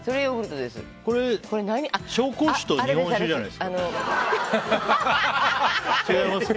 紹興酒と日本酒じゃないですか？